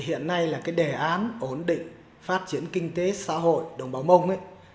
hiện nay là đề án ổn định phát triển kinh tế xã hội đồng bảo mông